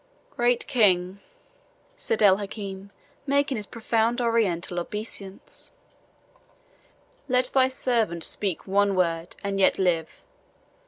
"Great King," said El Hakim, making his profound Oriental obeisance, "let thy servant speak one word, and yet live.